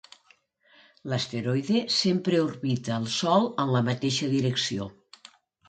L'asteroide sempre orbita el Sol en la mateixa direcció.